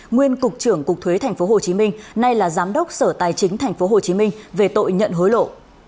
nguyên cục trưởng cục thuế tp hcm nay là giám đốc sở tài chính tp hcm về tội nhận hối lộ